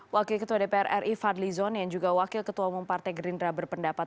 wakil ketua dpr ri fadli zon yang juga wakil ketua umum partai gerindra berpendapat